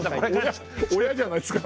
親じゃないですか。